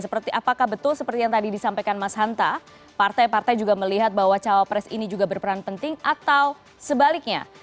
seperti apakah betul seperti yang tadi disampaikan mas hanta partai partai juga melihat bahwa cawapres ini juga berperan penting atau sebaliknya